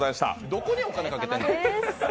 どこにお金かけてんの？